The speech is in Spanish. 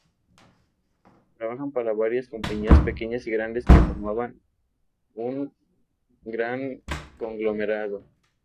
Trabajaban para varias compañías -pequeñas y grandes- que formaban un gran conglomerado.